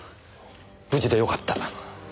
無事でよかった。